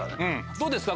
どうですか？